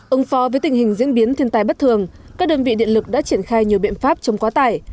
ứng phó với tình hình diễn biến thiên tài bất thường các đơn vị điện lực đã triển khai nhiều biện pháp chống quá tải